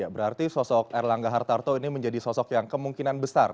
berarti sosok erlangga hartarto ini menjadi sosok yang kemungkinan besar